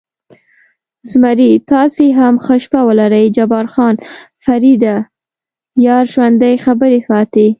زمري: تاسې هم ښه شپه ولرئ، جبار خان: فرېډه، یار ژوندی، خبرې پاتې.